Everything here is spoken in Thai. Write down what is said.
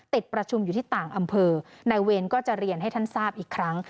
ติดประชุมอยู่ที่ต่างอำเภอนายเวรก็จะเรียนให้ท่านทราบอีกครั้ง